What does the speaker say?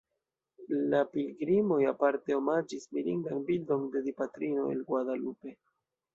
La pilgrimoj aparte omaĝis mirindan bildon de Dipatrino el Guadalupe.